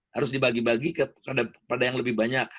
harus dibagi bagi kepada yang lebih banyak